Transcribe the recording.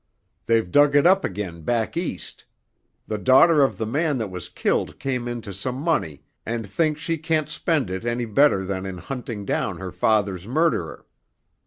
They've dug it up again back East. The daughter of the man that was killed came into some money and thinks she can't spend it any better than in hunting down her father's murderer.